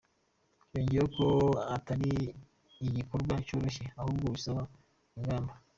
Yongeyeho ko atari igikorwa cyoroshye ahubwo bisaba ingamba.